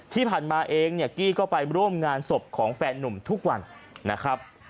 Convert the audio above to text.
ที่ผ่านมาเองเนี่ยกี้ก็ไปร่วมงานศพของแฟนนุ่มทุกวันนะครับ